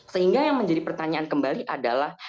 sehingga yang menjadi pertanyaan kembali adalah